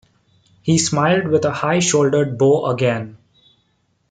He smiled with a high-shouldered bow again.